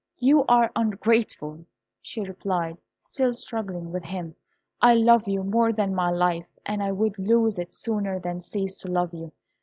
"You are ungrateful," she replied, still struggling with him; "I love you more than my life, and I would lose it sooner than cease to love you.